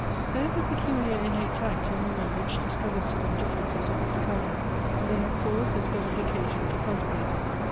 " There is a peculiar innate tact in women which dis covers to them differences of this kind ; and they have cause as well as occasion to cultivate it.